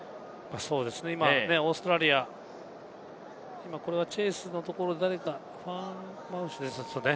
今、オーストラリアはチェイスのところで誰か、ファアマウシリですかね。